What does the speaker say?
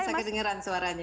bisa kedengeran suaranya